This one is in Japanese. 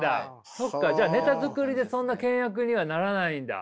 そっかじゃあネタ作りでそんな険悪にはならないんだ。